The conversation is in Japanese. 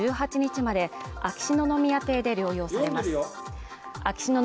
きょうから今月１８日まで秋篠宮邸で療養されます